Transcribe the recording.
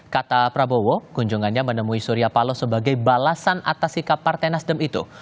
kata prabowo kunjungannya menemui surya paloh sebagai balasan atas sikap partai nasdem itu